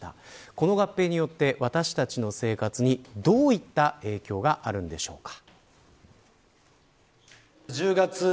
この合併によって私たちの生活にどういった影響があるんでしょうか。